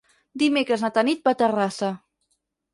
Dimecres na Tanit va a Terrassa.